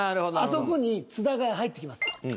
あそこに津田が入ってきます。